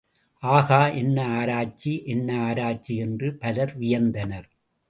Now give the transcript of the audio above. ஆகா, என்ன ஆராய்ச்சி என்ன ஆராய்ச்சி, என்று பலர் வியந்தனர்.